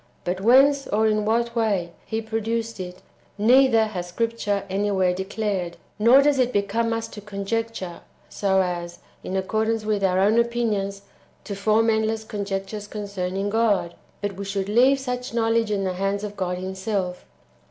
But whence or in what way He produced it, neither has Scripture anywhere declared; nor does it become us to conjecture, so as, in accordance with our own opinions, to form endless conjectures concerning God, but we should leave such knowledge in the hands of God Himself.